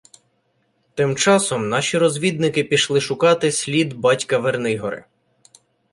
Тим часом наші розвідники пішли шукати слід "батька Вернигори".